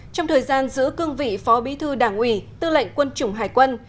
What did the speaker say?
trong thời gian giữ cương vị phó bí thư đảng ủy tư lệnh quân chủng hải quân